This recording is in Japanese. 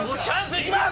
いきます？